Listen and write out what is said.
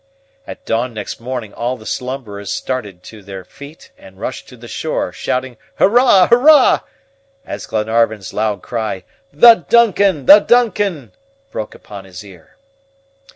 At dawn next morning, all the slumberers started to their feet and rushed to the shore, shouting "Hurrah, hurrah!" as Lord Glenarvan's loud cry, "The DUNCAN, the DUNCAN!" broke upon his ear.